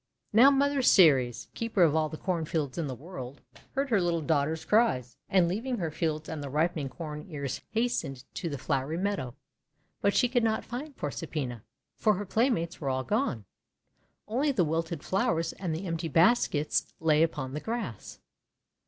Now Mother Ceres, Keeper of all the Corn fields in the World, heard her little daughter's cries, and leaving her fields and the ripening Corn Ears hastened to the flowery meadow. But she could not find Proserpina, for her play mates were all gone. Only the withered flowers and the empty baskets lay upon the grass.